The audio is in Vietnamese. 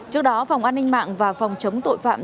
trước đó phòng an ninh mạng và phòng chống tội phạm